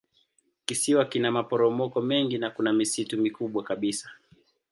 Kisiwa kina maporomoko mengi na kuna misitu mikubwa kabisa.